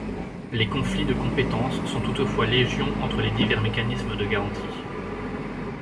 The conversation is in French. Les conflits de compétence sont toutefois légion entre les divers mécanismes de garantie.